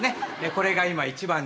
これが今一番重要。